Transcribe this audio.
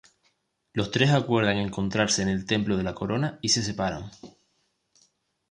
Los tres acuerdan encontrarse en el Templo de la Corona y se separan.